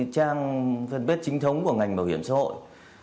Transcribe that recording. trang phân bết chính thống của ngành bảo hiểm xã hội